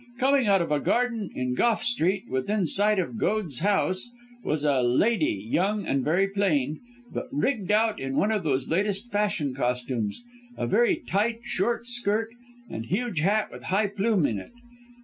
Coming out of a garden in Gough Street, within sight of Goad's house, was a lady, young and very plain, but rigged out in one of those latest fashion costumes a very tight, short skirt, and huge hat with high plume in it.